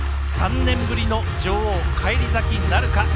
３年ぶりの女王返り咲きなるか。